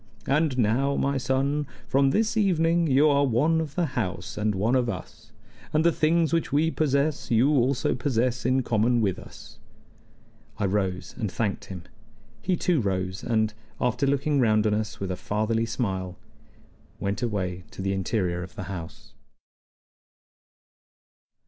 And now, my son, from this evening you are one of the house and one of us, and the things which we possess you also possess in common with us." I rose and thanked him. He too rose, and, after looking round on us with a fatherly smile, went away to the interior of the house.